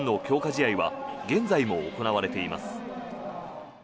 試合は現在も行われています。